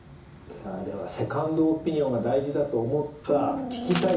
ではセカンドオピニオンが大事だと思った聞きたいと思う。